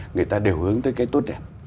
người ta đều hướng tới cái tốt đẹp